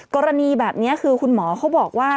กรณีแบบนี้คือคุณหมอเขาบอกว่า